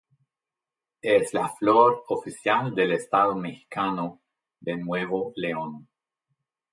Es la flor oficial del estado mexicano de Nuevo León.